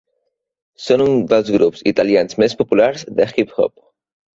Són un dels grups italians més populars de hip hop.